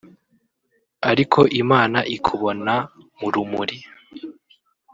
ariko Imana ikubona mu rumuri